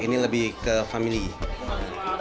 ini lebih ke pemilik keluarga